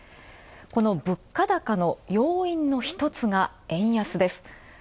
この物価高の要因の１つが円安です。